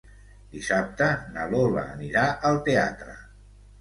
Dissabte na Lola anirà al teatre.